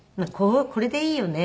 これでいいよね。